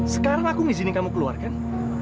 sekarang aku ngizinin kamu keluar kan